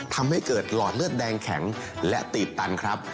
ทำให้เกิดหลอดเลือดแดงแข็งและตีบตันครับ